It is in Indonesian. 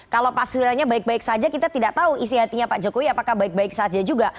kalau pak suryanya baik baik saja kita tidak tahu isi hatinya pak jokowi apakah baik baik saja juga